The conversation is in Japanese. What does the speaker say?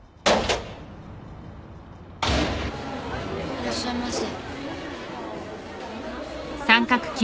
いらっしゃいませ。